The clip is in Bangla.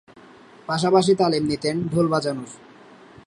পাশাপাশি তালিম নিতেন ঢোল বাজানোর।